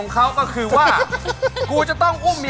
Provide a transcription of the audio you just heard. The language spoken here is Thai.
๒๘กับ๑๒๘กิโลกรัมนะฮะพร้อม